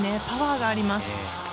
パワーがあります。